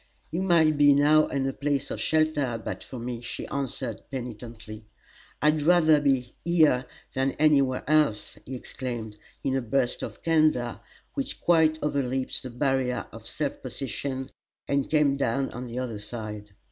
"You might be now in a place of shelter but for me," she answered, penitently. "I'd rather be here than any where else!" he exclaimed, in a burst of candor which quite overleaped the barrier of self possession and came down on the other side.